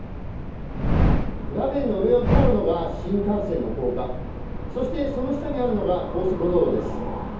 画面の上を通るのが新幹線の高架そして、その下にあるのが高速道路です。